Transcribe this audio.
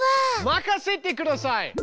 任せてください！